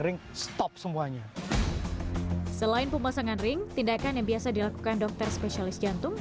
ring stop semuanya selain pemasangan ring tindakan yang biasa dilakukan dokter spesialis jantung